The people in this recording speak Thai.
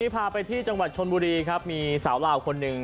พาไปที่จังหวัดชนบุรีครับมีสาวลาวคนหนึ่ง